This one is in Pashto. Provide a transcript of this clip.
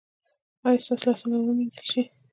ایا ستاسو لاسونه به وینځل شي؟